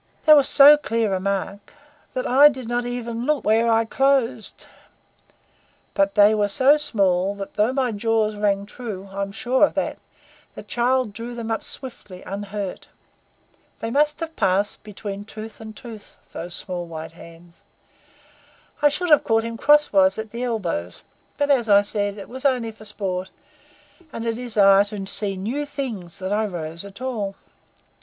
They were so clear a mark that I did not even look when I closed; but they were so small that though my jaws rang true I am sure of that the child drew them up swiftly, unhurt. They must have passed between tooth and tooth those small white hands. I should have caught him cross wise at the elbows; but, as I said, it was only for sport and desire to see new things that I rose at all.